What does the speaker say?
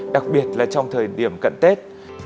đặc biệt là trong thời điểm cận tết